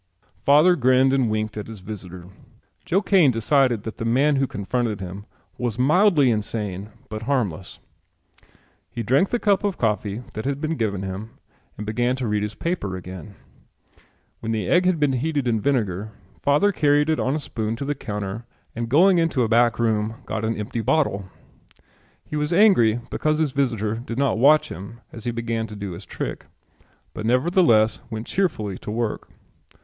Father grinned and winked at his visitor. Joe Kane decided that the man who confronted him was mildly insane but harmless. He drank the cup of coffee that had been given him and began to read his paper again. When the egg had been heated in vinegar father carried it on a spoon to the counter and going into a back room got an empty bottle. He was angry because his visitor did not watch him as he began to do his trick, but nevertheless went cheerfully to work.